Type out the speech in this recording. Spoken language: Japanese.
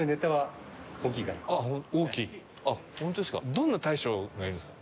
どんな大将がいるんですか？